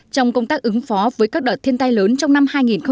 trong công tác ứng phó với các đợt thiên tai lớn trong năm hai nghìn một mươi tám